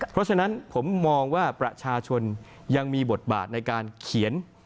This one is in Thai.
เพราะฉะนั้นผมมองว่าประชาชนยังมีบทบาทในการเขียน